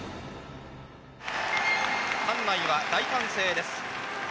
館内は大歓声です。